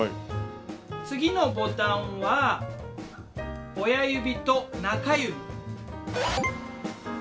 次のボタンは親指と中指。